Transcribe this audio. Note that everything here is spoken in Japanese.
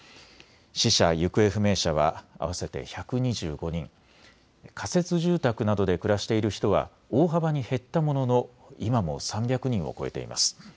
死者・行方不明者は合わせて１２５人、仮設住宅などで暮らしている人は大幅に減ったものの今も３００人を超えています。